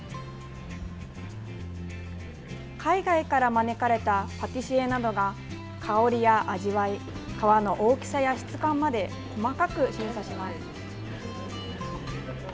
海外から招かれたパティシエなどが香りや味わい皮の大きさや質感まで細かく審査します。